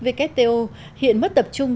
vkto hiện mất tập trung